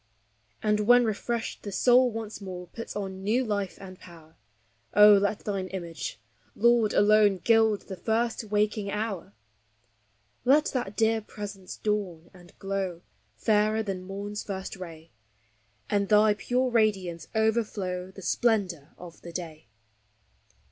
And when refreshed the soul once more puts on new life and power; Oh, let thine image, Lord, alone, gild the first waking hour! Let that dear Presence dawn and glow, fairer than morn's first ray, And thy pure radiance overflow the splendor of the day.